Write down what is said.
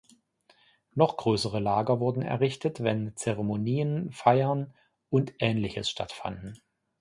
Noch größere Lager wurden errichtet, wenn Zeremonien, Feiern und ähnliches stattfanden.